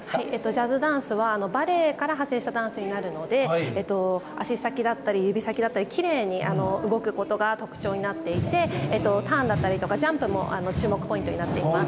ジャズダンスは、バレエから派生したダンスになるので、足先だったり指先だったり、きれいに動くことが特徴になっていて、ターンだったりとか、ジャンプも注目ポイントになっています。